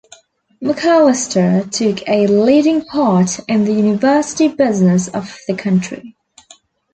MacAlister took a leading part in the university business of the country.